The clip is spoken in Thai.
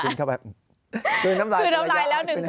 คือน้ำลายแล้วหนึ่งทางขอโทษค่ะ